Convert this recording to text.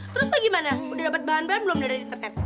terus pak gimana udah dapet bahan bahan belum dari internet